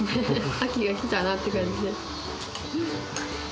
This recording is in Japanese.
秋が来たなっていう感じです。